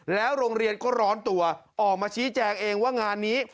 แล้วโรงเรียนก็ร้อนตัวออกมาชี้แจงเองว่างานนี้